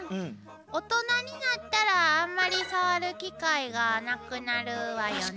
大人になったらあんまり触る機会がなくなるわよね。